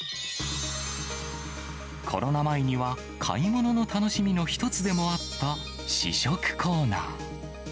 コロナ前には買い物の楽しみの一つでもあった試食コーナー。